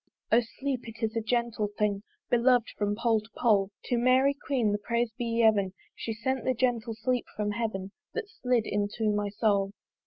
O sleep, it is a gentle thing Belov'd from pole to pole! To Mary queen the praise be yeven She sent the gentle sleep from heaven That slid into my soul.